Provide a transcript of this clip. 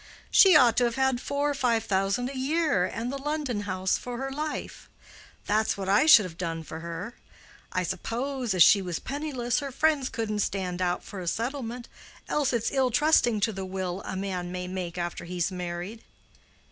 She ought to have had four or five thousand a year and the London house for her life; that's what I should have done for her. I suppose, as she was penniless, her friends couldn't stand out for a settlement, else it's ill trusting to the will a man may make after he's married.